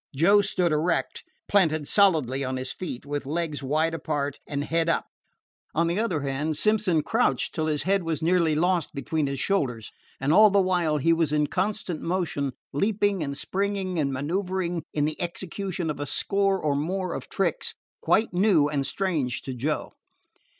Joe stood erect, planted solidly on his feet, with legs wide apart and head up. On the other hand, Simpson crouched till his head was nearly lost between his shoulders, and all the while he was in constant motion, leaping and springing and manoeuvering in the execution of a score or more of tricks quite new and strange to Joe.